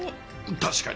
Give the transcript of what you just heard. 確かに。